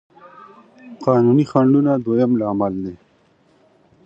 قانوني خنډونه دويم لامل دی.